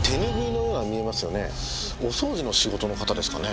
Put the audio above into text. お掃除の仕事の方ですかね？